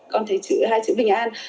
con thấy hai chữ bình an